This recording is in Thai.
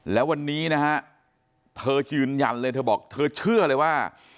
แล้ววันนี้นะฮะเธอยืนยันเลยเธอบอกเธอเชื่อเลยว่า